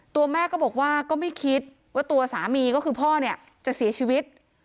ตัวแม่ก็บอกว่าก็ไม่คิดว่าตัวสามีก็คือพ่อเนี่ยจะเสียชีวิต